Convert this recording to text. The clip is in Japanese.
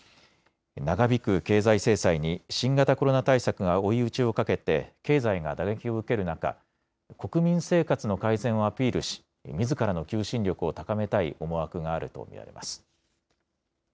長引く経済制裁に新型コロナ対策が追い打ちをかけて経済が打撃を受ける中、国民生活の改善をアピールしみずからの求心力を高めたい思惑があると見られます。